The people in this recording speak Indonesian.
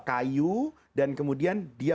kayu dan kemudian dia